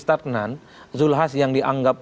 startenan zulhas yang dianggap